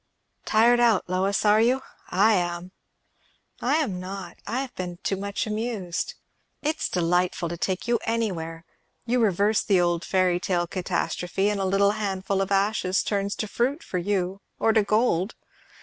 "Tired out, Lois, are you? I am." "I am not. I have been too much amused." "It's delightful to take you anywhere! You reverse the old fairy tale catastrophe, and a little handful of ashes turns to fruit for you, or to gold.